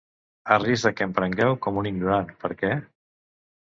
A risc de que em prengueu com un ignorant, per què?